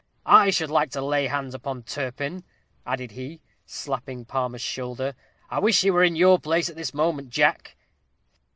I should like to lay hands upon Turpin," added he, slapping Palmer's shoulder: "I wish he were in your place at this moment, Jack."